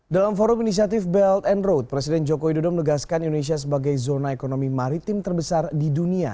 dalam forum inisiatif belt and road presiden joko widodo menegaskan indonesia sebagai zona ekonomi maritim terbesar di dunia